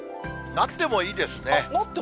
なってもいいですね。